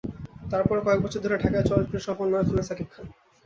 তারপরও কয়েক বছর ধরে ঢাকাই চলচ্চিত্রের সফল নায়ক হলেন শাকিব খান।